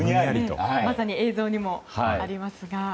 まさに映像にもありますが。